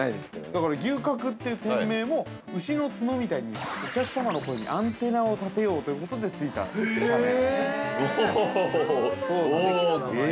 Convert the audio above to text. ◆だから、牛角という店名も牛の角みたいにお客様の声にアンテナを立てようということで付いた社名なんですね。